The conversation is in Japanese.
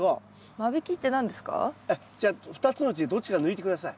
じゃあ２つのうちどっちか抜いて下さい。